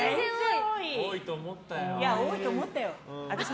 多いと思ったよ。